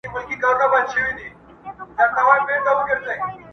دې ربات ته بې اختیاره یم راغلی!!